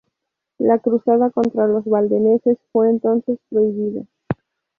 La cruzada contra los valdenses fue entonces prohibida.